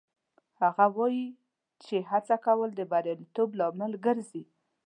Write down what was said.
هغه وایي چې هڅه کول د بریالیتوب لامل ګرځي